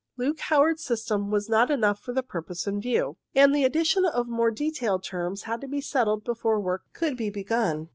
Luke Howard's system was not enough for the purpose in view, and the addition of more detailed terms had to be settled before work could be begun.